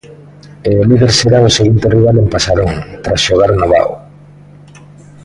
E o líder será o seguinte rival en Pasarón, tras xogar no Vao.